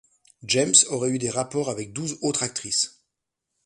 James aurait eu des rapports avec douze autres actrices.